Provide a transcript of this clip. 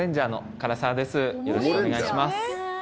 よろしくお願いします。